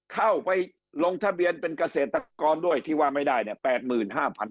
เข้าไปลงทะเบียนเป็นเกษตรกรด้วยที่ว่าไม่ได้เนี่ย